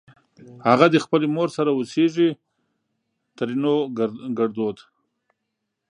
اغه دې خپلې مور سره اوسېږ؛ ترينو ګړدود